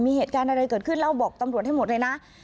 มีเหตุการณ์อะไรเกิดขึ้นเล่าบอกตำรวจให้หมดเลยนะ